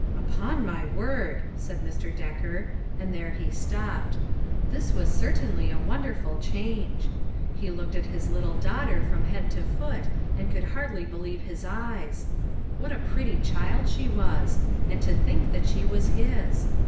" Upon my word !" said Mr. Decker, and LONG STOEIE8 TO TELL. 135 there he stopped. This was certainly a wonder ful change. He looked at his little daughter from head to foot, and could hardly believe his eyes. What a pretty child she was. And to think that she was his